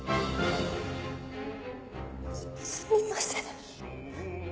すすみません。